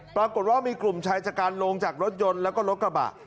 ปรากฏว่ามีกลุ่มชายชะกันลงจากรถยนต์แล้วก็รถกระบะ